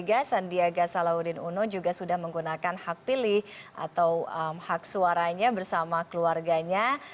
dan diaga salawudin uno juga sudah menggunakan hak pilih atau hak suaranya bersama keluarganya